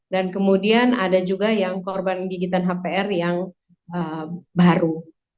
dan kemudian ada juga yang korban gigitan hpr yang baru